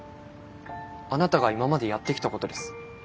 あなたが今までやってきたことです。